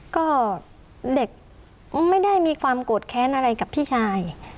ก็เด็กไม่ได้มีความโกรธแค้นอะไรกับพี่ชาย